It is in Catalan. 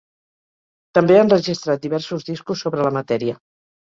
També ha enregistrat diversos discos sobre la matèria.